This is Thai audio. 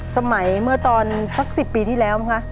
สมัยเมื่อตอนสัก๑๐ปีที่แล้วมั้งคะ